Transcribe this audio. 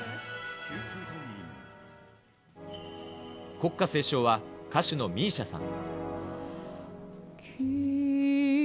国歌斉唱は、歌手のＭＩＳＩＡさん。